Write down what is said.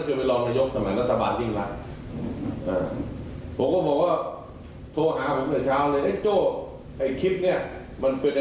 คุณยุทธพนันตรีเศรษฐ์เองนะ